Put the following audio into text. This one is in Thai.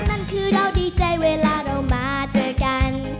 นั่นคือเราดีใจเวลาเรามาเจอกัน